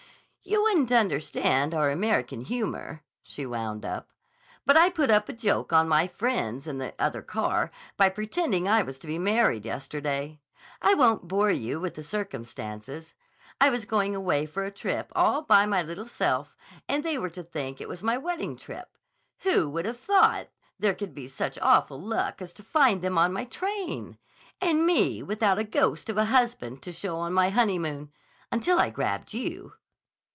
"You wouldn't understand our American humor," she wound up; "but I put up a joke on my friends in the other car by pretending I was to be married yesterday. I won't bore you with the circumstances. I was going away for a trip all by my little self and they were to think it was my wedding trip. Who would have thought there could be such awful luck as to find them on my train? And me without a ghost of a husband to show on my honeymoon—until I grabbed you!"